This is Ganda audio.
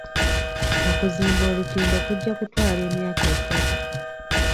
Okuzimba olutindo kujja kutwala emyaka essatu.